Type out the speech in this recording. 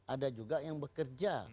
ada juga yang bekerja